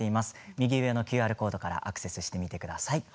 右上のＱＲコードからアクセスしてみてください。